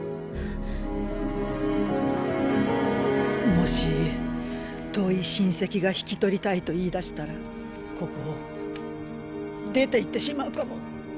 もし遠い親戚が引き取りたいと言いだしたらここを出ていってしまうかも。